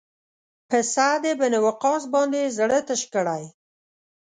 پر سعد بن وقاص باندې یې زړه تش کړی.